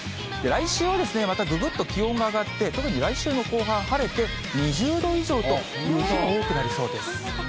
来週は、またぐぐっと気温が上がって、特に来週の後半晴れて、２０度以上という日が多くなりそうです。